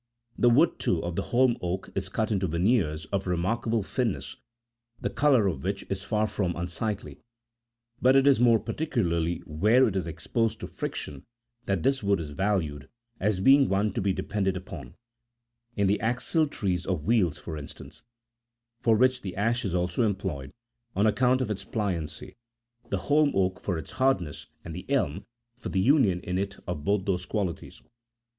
The wood, too, of the holm oak is cut into veneers of remarkable thinness, the colour of which is far from un sightly ; but it is more particularly where it is exposed to friction that this wood is valued, as being one to be depended upon ; in the axle trees of wheels, for instance ; for which the ash is also employed, on account of its pliancy, the holm oak for its hardness, and the elm, for the union in it of both those qualities.